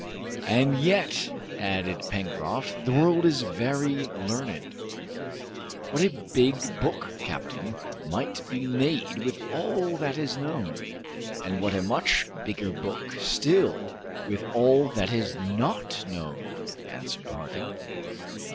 "And yet," added Pencroft, "the world is very learned. What a big book, captain, might be made with all that is known!" "And what a much bigger book still with all that is not known!" answered Harding.